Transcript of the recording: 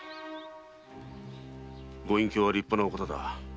ご隠居は立派なお方だ。